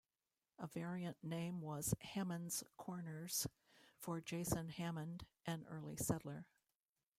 A variant name was "Hammond's Corners", for Jason Hammond, an early settler.